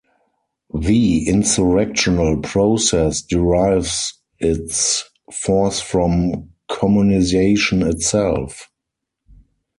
The insurrectional process derives its force from communisation itself.